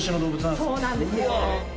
そうなんですよ